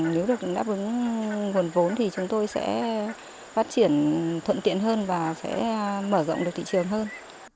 nếu được đáp ứng nguồn vốn thì chúng tôi sẽ phát triển thuận tiện hơn và sẽ mở rộng được thị trường hơn